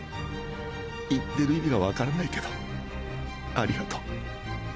言ってる意味がわからないけどありがとう。